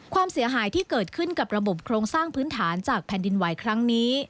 ความเสียหายที่เกิดขึ้นกับระบบโครงสร้างพื้นฐานจากแผ่นดินไหวครั้งนี้